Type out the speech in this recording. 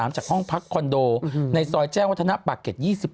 จากห้องพักคอนโดในซอยแจ้งวัฒนะปากเก็ต๒๑